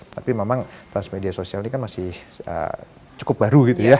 tapi memang transmedia sosial ini kan masih cukup baru gitu ya